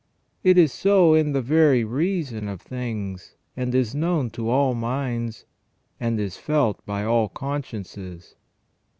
It is so in the very reason of things, and is known to all minds, and is felt by all consciences.